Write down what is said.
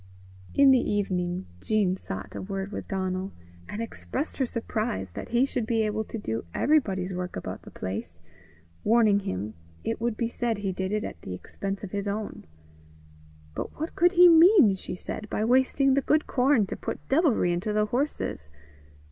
In the evening, Jean sought a word with Donal, and expressed her surprise that he should be able to do everybody's work about the place, warning him it would be said he did it at the expense of his own. But what could he mean, she said, by wasting the good corn to put devilry into the horses?